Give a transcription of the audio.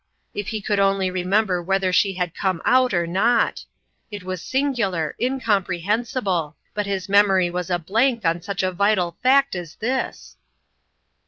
If he could only remember whether she had come out, or not ! It was singular, incomprehensible ! But his memory was a blank on such a vital fact as this